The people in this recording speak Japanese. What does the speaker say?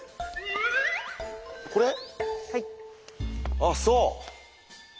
あっそう。